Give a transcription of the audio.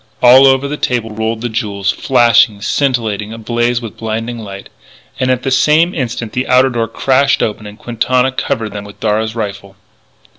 All over the table rolled the jewels, flashing, scintillating, ablaze with blinding light. And at the same instant the outer door crashed open and Quintana covered them with Darragh's rifle.